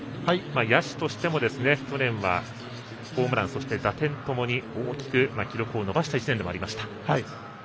野手としても去年はホームランそして打点ともに大きく記録を伸ばしてきました。